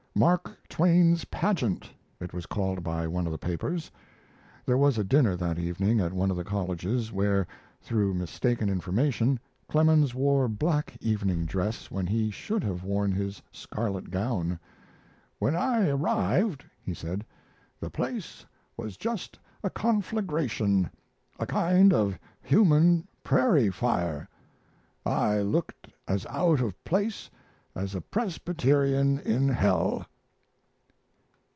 "Mark Twain's Pageant," it was called by one of the papers. [There was a dinner that evening at one of the colleges where, through mistaken information, Clemens wore black evening dress when he should have worn his scarlet gown. "When I arrived," he said, "the place was just a conflagration a kind of human prairie fire. I looked as out of place as a Presbyterian in hell."